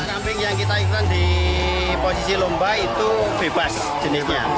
kambing yang kita ikutan di posisi lomba itu bebas jenisnya